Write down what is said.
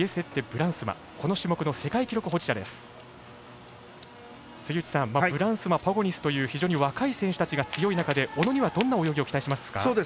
ブランスマ、パゴニスという非常に若い選手たちが強い中で小野にはどんな泳ぎを期待しますか？